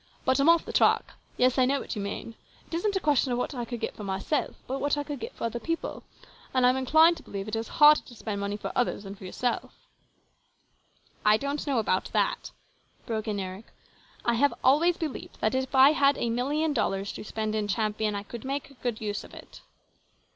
But I'm off the track. Yes, I know what you mean. It isn't a question of what I could get for myself, but what I could get for other people, and I am inclined to believe it is harder to spend money for others than for yourself." " I don't know about that," broke in Eric. " I have always believed if I had a million dollars to spend in Champion, I could make good use of it."